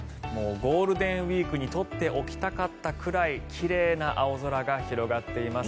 ゴールデンウィークにとっておきたかったくらい奇麗な青空が広がっています。